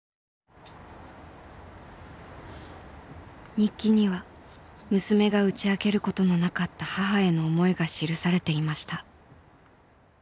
日記には娘が打ち明けることのなかった母への思いが記されていました。